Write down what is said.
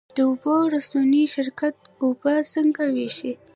د اوبو رسونې شرکت اوبه څنګه ویشي؟